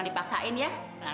ini r terminusnya